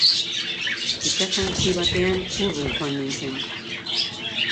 Itsasontzi batean urrun joan nintzen.